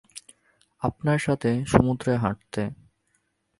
আপনার সাথে সমুদ্রে হাঁটতে।